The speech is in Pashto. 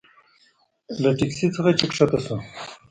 له تکسي نه چې ښکته شوو.